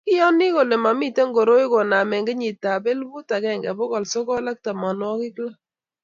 kiyoni kele kimito koroi kuname kenyitab elput agenge bokol sokol ak tamanwokik lo.